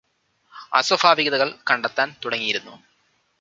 അസ്വാഭാവികതകള് കണ്ടെത്താന് തുടങ്ങിയിരുന്നു